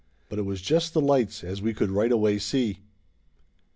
But it was just the lights, as we could right away see.